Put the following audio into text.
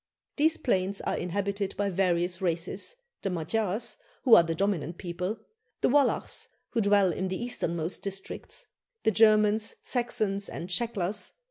These plains are inhabited by various races the Magyars, who are the dominant people; the Wallachs, who dwell in the easternmost districts; the Germans, Saxons, and Shecklers.